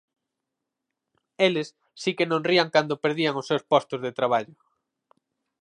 Eles si que non rían cando perdían os seus postos de traballo.